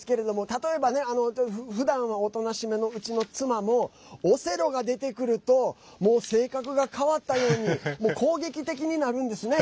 例えば、ふだんはおとなしめのうちの妻もオセロが出てくると性格が変わったように攻撃的になるんですね。